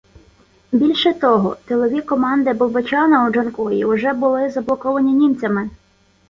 Більше того, тилові команди Болбочана у Джанкої уже були заблоковані німцями.